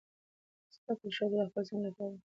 زده کړه ښځه د خپل ځان لپاره مالي پلان جوړوي.